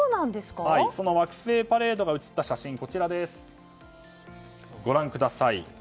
その惑星パレードが写った写真ご覧ください。